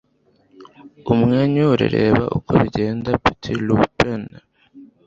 umwenyure. reba uko bigenda. - patti lupone